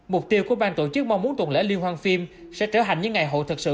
mục tiêu của bang tổ chức mong muốn tuần lễ liên hoan phim sẽ trở hành những ngày hội thật sự